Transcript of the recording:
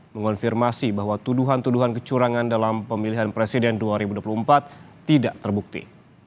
mengonfirmasi bahwa tuduhan tuduhan kecurangan dalam pemilihan presiden dua ribu dua puluh empat tidak terbukti